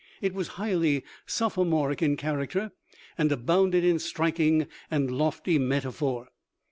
It was highly sophomoric in character and abounded in striking and lofty metaphor.